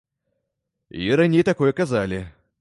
І раней такое казалі.